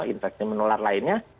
infeksi menular lainnya